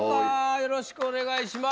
よろしくお願いします。